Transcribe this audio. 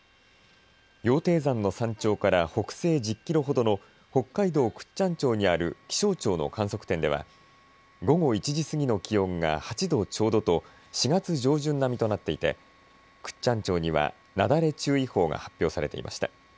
羊蹄山の山頂から北西１０キロほどの北海道倶知安町にある気象庁の観測点では午後１時過ぎの気温が８度ちょうどと４月上旬並みとなっていて倶知安町には、なだれ注意報が発表されていました。